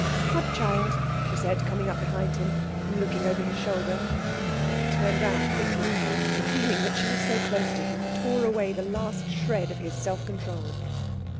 "What child?" she said, coming up behind him and looking over his shoulder. He turned round quickly. The feeling that she was so close to him tore away the last shred of his self control.